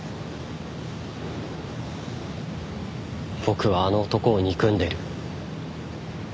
僕はあの男を憎んでる。